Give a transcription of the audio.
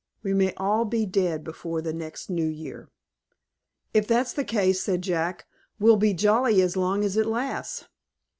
We may all be dead before the next New Year." "If that's the case," said Jack, "we'll be jolly as long as it lasts."